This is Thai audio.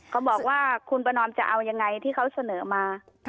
เขาบอกว่าคุณประนอมจะเอายังไงที่เขาเสนอมา